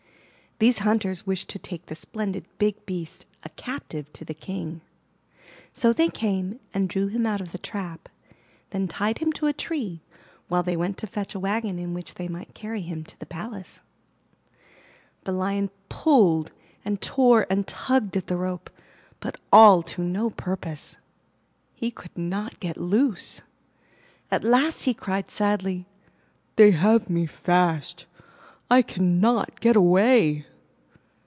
These hunters wished to take the splendid big beast a captive to the King. So they came and drew him 148 IN THE NURSERY out of the trap, then tied him to a tree, while they went to fetch a wagon in which they might carry him to the palace. The Lion pulled and tore and tugged at the rope, but all to no purpose. He could not get loose. At last he cried sadly, 'They have me fast! I cannot get away!